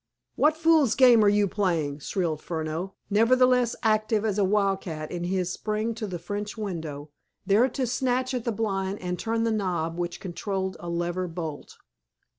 "What fool's game are you playing?" shrilled Furneaux, nevertheless active as a wildcat in his spring to the French window, there to snatch at the blind and turn the knob which controlled a lever bolt.